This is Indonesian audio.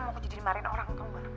mau aku jadi marahin orang